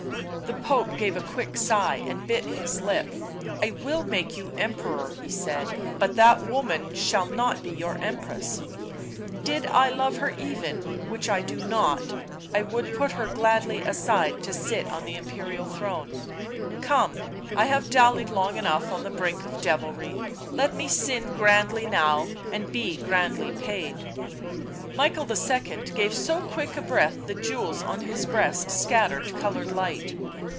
The Pope gave a quick sigh and bit his lip. " I will make you Emperor," he said. " But that woman shall not be your Empress." 11 Did I love her even, which I do not — I would put her gladly aside to sit on the Imperial throne !— Come, I have dallied long enough on the brink of devilry — let me sin grandly now, and be grandly paid !" Michael II. gave so quick a breath the jewels on his breast scattered coloured light.